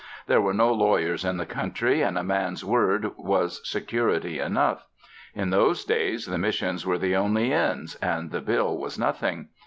There were no lawyers in the country, and a man's word was security enough. In those days the Missions were the only inns, and the bill was nothing.